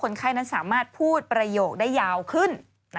ไข้นั้นสามารถพูดประโยคได้ยาวขึ้น